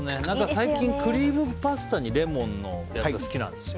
最近クリームパスタにレモンのやつが好きなんですよ。